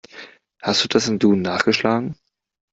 Hast du das im Duden nachgeschlagen?